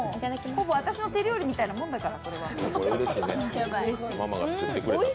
ほぼ私の手料理みたいなもんだから。